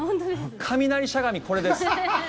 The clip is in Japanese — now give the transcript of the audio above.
雷しゃがみ、これです。